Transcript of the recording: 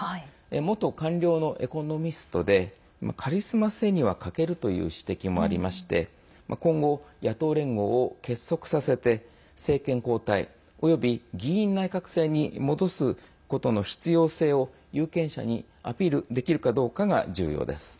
元官僚のエコノミストでカリスマ性には欠けるという指摘もありまして今後、野党連合を結束させて政権交代および議院内閣制に戻すことの必要性を有権者にアピールできるかどうかが重要です。